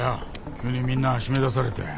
急にみんな閉め出されて。